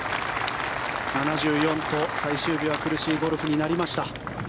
７４と最終日は苦しいゴルフになりました。